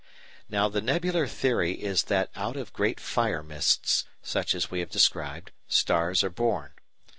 Now the nebular theory is that out of great "fire mists," such as we have described, stars are born.